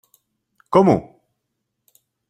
Komu!